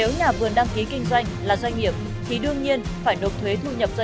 nếu nhà vườn đăng ký kinh doanh là doanh nghiệp thì đương nhiên phải nộp thuế thu nhập doanh